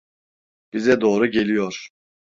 Bize doğru geliyor!